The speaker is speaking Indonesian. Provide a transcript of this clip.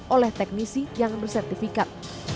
oleh teknisi yang bersertifikat